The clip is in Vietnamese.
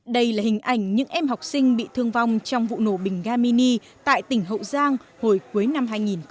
đây là hình ảnh những em học sinh bị thương vong trong vụ nổ bình ga mini tại tỉnh hậu giang hồi cuối năm hai nghìn một mươi tám